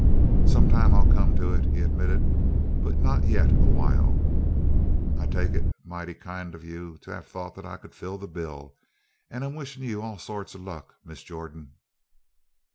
"Some time I'll come to it," he admitted. "But not yet a while. I take it mighty kind of you to have thought I could fill the bill and I'm wishing you all sorts of luck, Miss Jordan."